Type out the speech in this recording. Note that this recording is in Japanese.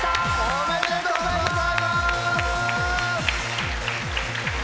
おめでとうございます！